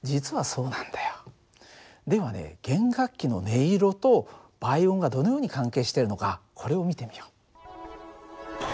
ではね弦楽器の音色と倍音がどのように関係しているのかこれを見てみよう。